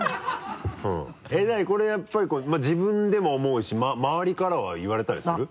これやっぱり自分でも思うし周りからは言われたりする？